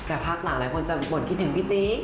แต่ภาคหลายคนจะบ่นคิดถึงพี่จิ๊ก